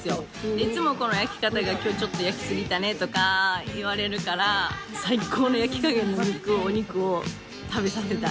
いつも焼き方が今日ちょっと焼きすぎたねとか言われるから最高の焼き加減のお肉を食べさせたい。